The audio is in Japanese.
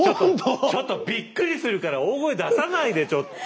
ちょっとちょっとびっくりするから大声出さないでちょっと！